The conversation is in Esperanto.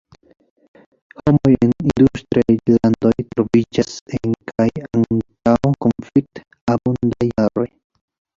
Homoj en industriaj landoj troviĝas en kaj antaŭ konflikt-abundaj jaroj.